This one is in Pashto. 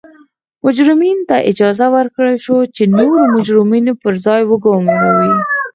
مجرمینو ته اجازه ورکړل شوه چې نور مجرمین پر کار وګوماري.